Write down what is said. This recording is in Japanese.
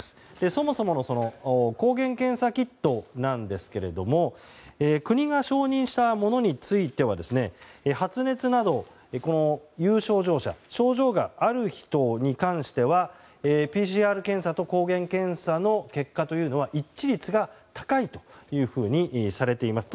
そもそも抗原検査キットなんですが国が承認したものについては発熱などの有症状者症状がある人に関してはＰＣＲ検査と抗原検査の結果というのは一致率が高いというふうにされています。